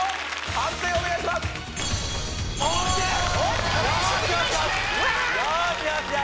判定お願いしますわあ！